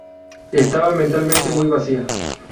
Estaba mentalmente muy vacía.